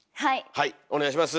はいお願いします。